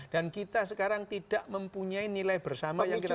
dan kita sekarang tidak mempunyai nilai bersama yang kita punya